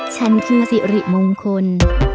ฉันคือสิริมงคล